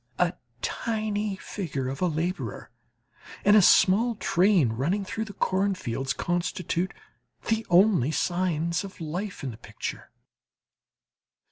A tiny figure of a labourer and a small train running through the cornfields, constitute the only signs of life in the picture.